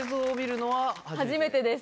初めてです。